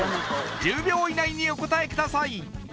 １０秒以内にお答えください